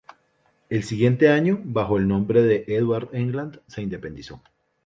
El siguiente año, bajo el nombre de "Edward England", se independizó.